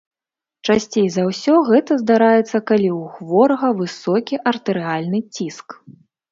Часцей за ўсё гэта здараецца, калі ў хворага высокі артэрыяльны ціск.